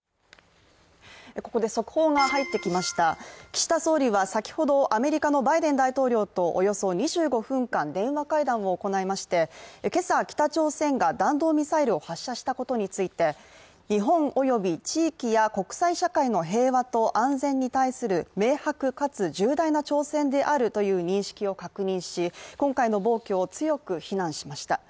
岸田総理は先ほどアメリカのバイデン大統領とおよそ２５分間、電話会談を行いまして、今朝、北朝鮮が弾道ミサイルを発射したことについて日本及び地域や国際社会の平和と安全に対する明白かつ重大な挑戦であるという認識を確認し、今回の暴挙を強く非難しました。